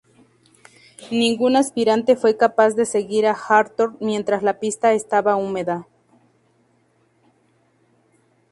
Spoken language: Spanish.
Ningún aspirante fue capaz de seguir a Hartog mientras la pista estaba húmeda.